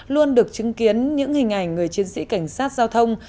luôn được chứng kiến những hình ảnh người chiến sĩ cảnh sát giao thông